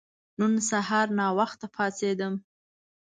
نن سهار ناوخته پاڅیدم.